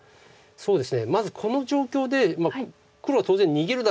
そうです。